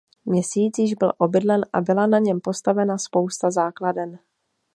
Měsíc již byl obydlen a byla na něm postavena spousta základen.